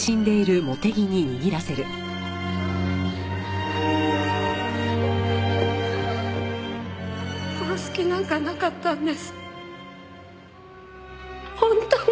本当に殺す気なんかなかったんです！